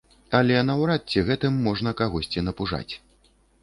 Але наўрад ці гэтым можна кагосьці напужаць.